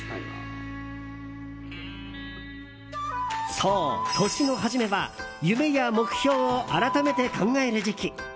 そう、年の初めは夢や目標を改めて考える時期。